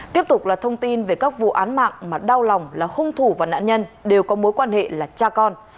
tiếp tục là thông tin về các vụ án mạng mà đau lòng là hung thủ và nạn nhân đều có mối quan hệ là cha con